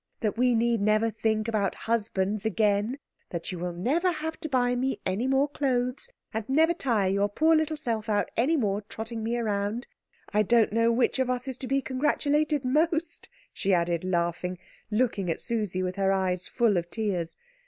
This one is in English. That we need never think about husbands again? That you will never have to buy me any more clothes, and never tire your poor little self out any more trotting me round? I don't know which of us is to be congratulated most," she added laughing, looking at Susie with her eyes full of tears.